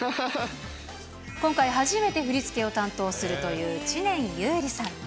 今回初めて振り付けを担当するという知念侑李さん。